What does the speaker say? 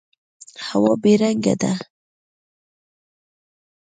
هوا بې رنګه ده.